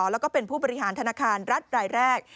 แล้วก็เป็นผู้บริหารธนาคารรัฐรายแรก